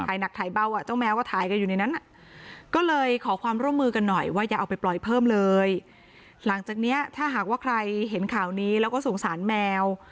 ถ่ายเบาอ่ะเจ้าแมวก็ถ่ายกันอยู่ในนั้นก็เลยขอความร่วมมือกันหน่อยว่าอย่าเอาไปปล่อยเพิ่มเลยหลังจากเนี้ยถ้าหากว่าใครเห็นข่าวนี้แล้วก็สงสารแมว